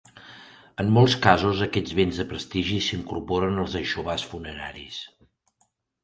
En molts casos, aquests béns de prestigi s'incorporen als aixovars funeraris.